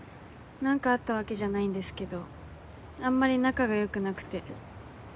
何かあったわけじゃないんですけどあんまり仲が良くなくて。